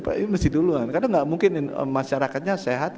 tapi mesti duluan karena gak mungkin masyarakatnya sehat